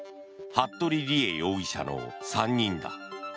服部理江容疑者の３人だ。